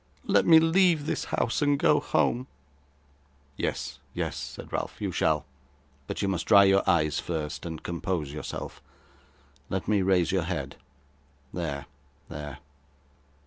'Let me leave this house, and go home.' 'Yes, yes,' said Ralph. 'You shall. But you must dry your eyes first, and compose yourself. Let me raise your head. There there.